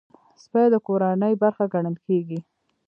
سپي د کورنۍ برخه ګڼل کېږي.